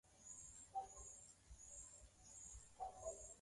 weka ngano na chapa manadashi